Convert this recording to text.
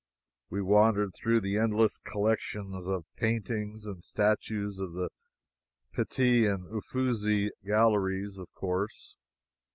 We wandered through the endless collections of paintings and statues of the Pitti and Ufizzi galleries, of course.